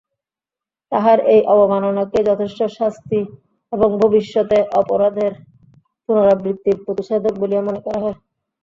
তাহার এই অবমাননাকেই যথেষ্ট শাস্তি এবং ভবিষ্যতে অপরাধের পুনরাবৃত্তির প্রতিষেধক বলিয়া মনে করা হয়।